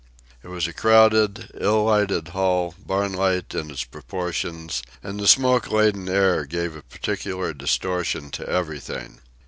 It was a crowded, ill lighted hall, barn like in its proportions, and the smoke laden air gave a peculiar distortion to everything.